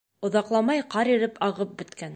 Оҙаҡламай ҡар иреп ағып бөткән.